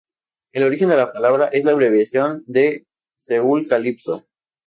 El origen de la palabra es la abreviación de soul calipso.